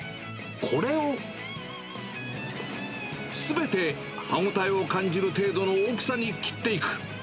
これを、すべて歯応えを感じる程度の大きさに切っていく。